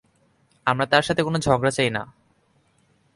আমরা তার সাথে কোনো ঝগড়া চাই না।